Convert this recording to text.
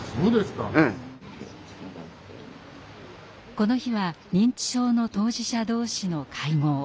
この日は認知症の当事者同士の会合。